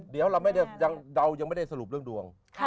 เดี๋ยวเรายังไม่ได้สรุปเรื่องดวง